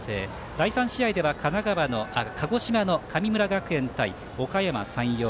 第３試合では鹿児島の神村学園対おかやま山陽。